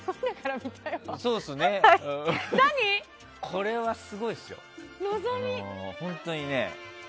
これは、すごいですよ。